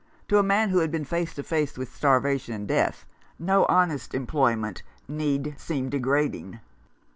To a man who has been face to face with starvation and death, no honest employment need seem degrading.